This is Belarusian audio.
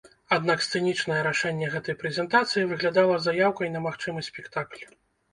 Аднак сцэнічнае рашэнне гэтай прэзентацыі выглядала заяўкай на магчымы спектакль.